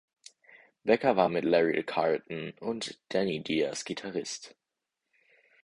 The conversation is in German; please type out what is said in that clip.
Becker war mit Larry Carlton und Denny Dias Gitarrist.